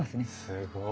すごい。